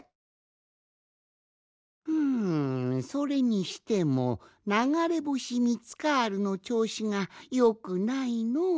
ふんそれにしてもながれぼしミツカールのちょうしがよくないのう。